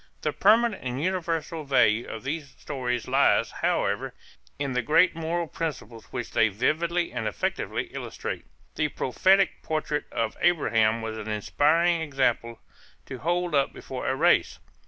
The permanent and universal value of these stories lies, however, in the great moral principles which they vividly and effectively illustrate. The prophetic portrait of Abraham was an inspiring example to hold up before a race.